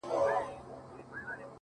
خو ستا به زه اوس هيڅ په ياد كي نه يم ـ